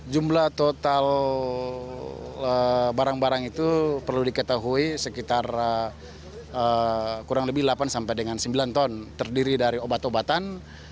jumlah total barang barang itu perlu diketahui sekitar kurang lebih delapan sampai dengan sembilan ton terdiri dari obat obatan